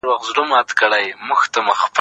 چي زمري د غوايي ولیدل ښکرونه